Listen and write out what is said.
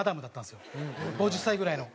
５０歳ぐらいの。